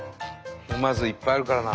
沼津いっぱいあるからな。